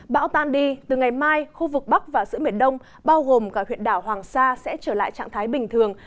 bão tan đi từ ngày mai khu vực bắc và giữa miền đông bao gồm cả huyện đảo hoàng sa sẽ trở lại trạng thái bình thường